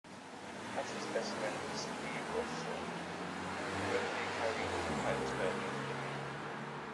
Hatton's best friend is Lee Rawsthorne, who regularly carried Hatton's belt into the ring.